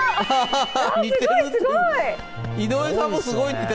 すごーい。